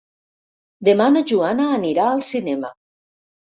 Demà na Joana anirà al cinema.